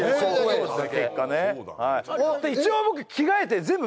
そうです